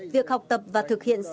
việc học tập và thực hiện